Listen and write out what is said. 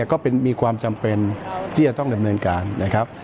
ก็มีความจำเป็นที่จะต้องดำเนินการนะครับ